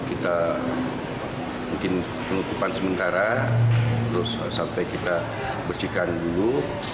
kita mungkin penutupan sementara terus sampai kita bersihkan dulu